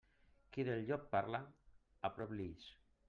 Qui del llop parla, a prop li ix.